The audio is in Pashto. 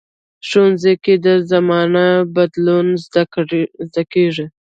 ښوونځی کې د زمانه بدلون زده کېږي